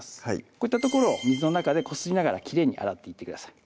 こういった所を水の中でこすりながらきれいに洗っていってください